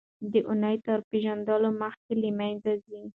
دا ونې تر پېژندلو مخکې له منځه ځي.